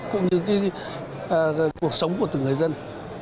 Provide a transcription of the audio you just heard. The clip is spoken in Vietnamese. cũng như cuộc sống của từng người dân